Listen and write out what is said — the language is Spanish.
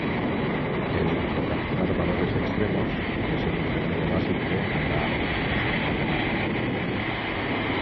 El localizar valores extremos es el objetivo básico de la optimización matemática.